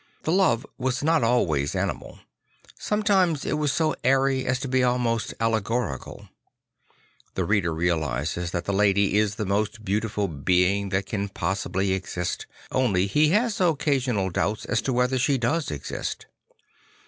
The love was not always animal; sometimes it was so airy as to be almost allegorical. The reader realises that the lady is the most beautiful being that can possibly exist, only he has occasional doubts as to whether she does exist.